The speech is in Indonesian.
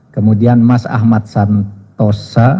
kemudian mas ahmad santosa